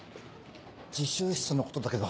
自習室のことだけど。